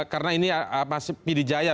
karena ini masih pilih jaya